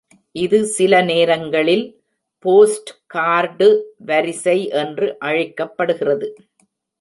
இது சில நேரங்களில் போஸ்ட்கார்டு வரிசை என்று அழைக்கப்படுகிறது.